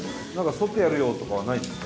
そってやるよとかはないですか？